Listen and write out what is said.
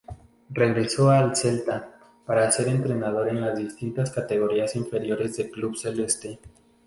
Regresó al Celta para ser entrenador en las distintas categorías inferiores de club celeste.